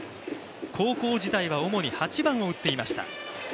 高校時代は主に８番を打っていました。